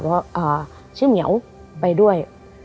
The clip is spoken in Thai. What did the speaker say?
เพราะว่าชื่อเหมียวไปด้วย